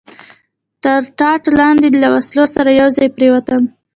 تر ټاټ لاندې له وسلو سره یو ځای پرېوتم.